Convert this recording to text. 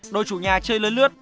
đội chủ nhà chơi lớn lướt